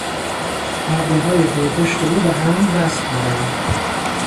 ابروهای پرپشت او به هم وصل بودند.